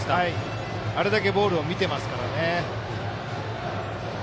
あれだけボールを見てますからね。